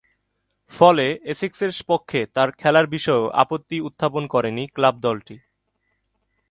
ফলে, এসেক্সের পক্ষে তার খেলার বিষয়েও আপত্তি উত্থাপন করেনি ক্লাব দলটি।